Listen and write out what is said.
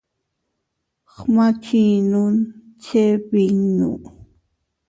Gma chinnu chebinnu.